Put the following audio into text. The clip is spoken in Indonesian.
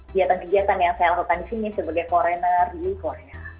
kegiatan kegiatan yang saya lakukan di sini sebagai korener di korea